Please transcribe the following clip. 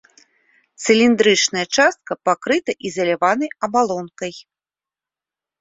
Цыліндрычная частка пакрыта ізаляванай абалонкай.